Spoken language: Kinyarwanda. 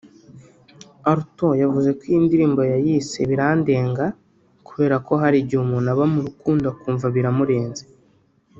Alto yavuze ko iyi ndirimbo yayise 'Birandenga' kubera ko hari igihe umuntu aba mu rukundo akumva biramurenze